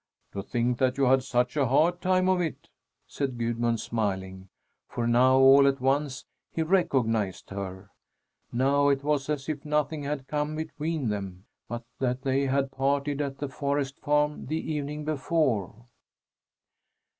"To think that you had such a hard time of it!" said Gudmund smiling, for now, all at once, he recognized her. Now it was as if nothing had come between them, but that they had parted at the forest farm the evening before.